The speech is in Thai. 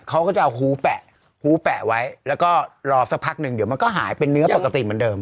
เขาก็จะเอาหูแปะหูแปะไว้แล้วก็รอสักพักหนึ่งเดี๋ยวมันก็หายเป็นเนื้อปกติเหมือนเดิม